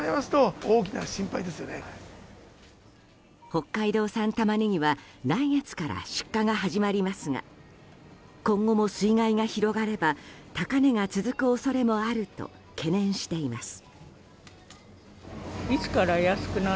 北海道産タマネギは来月から出荷が始まりますが今後も水害が広がれば高値が続く恐れもあると懸念しています。